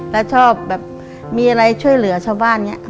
แล้วชอบแบบมีอะไรช่วยเหลือชาวบ้านอย่างนี้